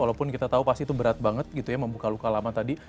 walaupun kita tahu pasti itu berat banget gitu ya membuka luka lama tadi